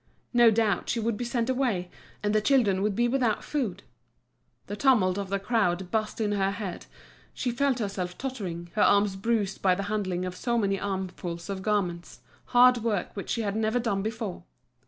No doubt she would be sent away, and the children would be without food. The tumult of the crowd buzzed in her head, she felt herself tottering, her arms bruised by the handling of so many armfuls of garments, hard work which she had never done before.